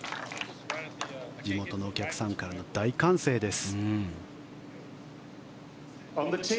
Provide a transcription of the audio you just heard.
地元のお客さんからの大歓声です。